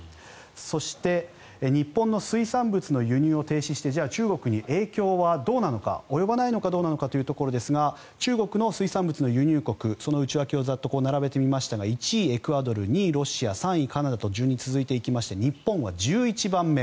そして日本の水産物の輸入を停止してじゃあ中国に影響はどうなのか及ばないのかどうかですが中国の水産物の輸入国その内訳を並べてみましたが１位、エクアドル２位、ロシア３位、カナダと順に続いていきまして日本は１１番目。